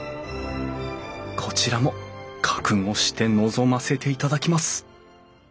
こちらも覚悟して臨ませていただきます